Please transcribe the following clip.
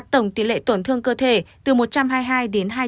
tổn thương cơ thể từ một trăm hai mươi hai đến hai trăm linh